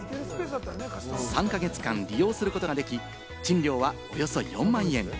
３か月間利用することができ、賃料はおよそ４万円。